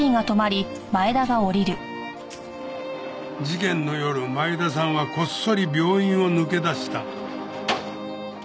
事件の夜前田さんはこっそり病院を抜け出した。